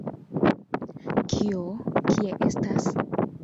Kio, kie estas?